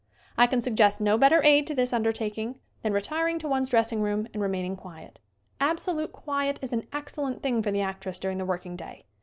I can suggest no better aid to this undertak ing than retiring to one's dressing room and re maining quiet. Absolute quiet is an excellent thing for the actress during the working day.